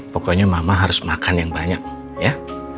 pokoknya mama harus makan yang banyak ya